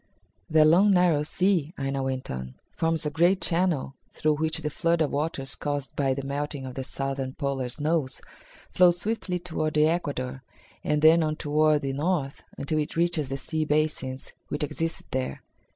"That long narrow sea," Aina went on, "forms a great channel through which the flood of waters caused by the melting of the southern polar snows flows swiftly toward the equator and then on toward the north until it reaches the sea basins which exist there.